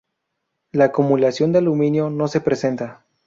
La acumulación de aluminio no se presenta.